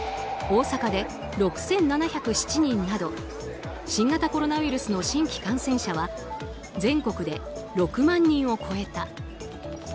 大阪で６７０７人など新型コロナウイルスの新規感染者は全国で６万人を超えた。